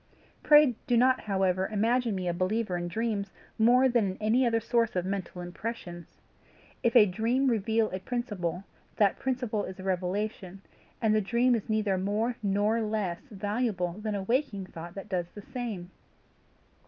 Pray do not however imagine me a believer in dreams more than in any other source of mental impressions. If a dream reveal a principle, that principle is a revelation, and the dream is neither more NOR LESS valuable than a waking thought that does the same.